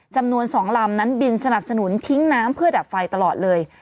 จำนวน๒ลำนั้นบินสนับสนุนทิ้งน้ำเพื่อดับไฟตลอดเลย